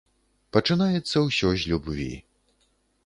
Пачынаецца ўсё з любві.